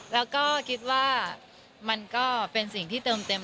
แล้วก็คิดว่ามันก็เป็นสิ่งที่เติมเต็ม